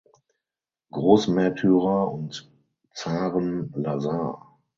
Großmärtyrer und Zaren Lazar.